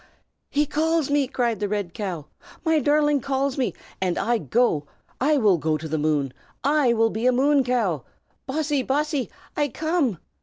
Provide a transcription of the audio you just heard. "He calls me!" cried the red cow. "My darling calls me, and I go. I will go to the moon; I will be a moon cow! Bossy, Bossy, I come!"